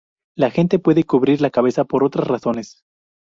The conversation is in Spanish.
La gente puede cubrir la cabeza por otras razones.